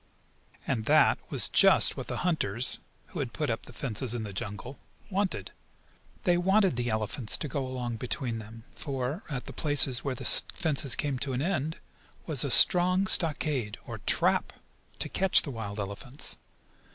And that was just what the hunters, who had put up the fences in the jungle wanted. They wanted the elephants to go along between them, for, at the places where the fences came to an end, was a strong stockade, or trap, to catch the wild elephants.